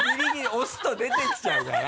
押すと出てきちゃうから。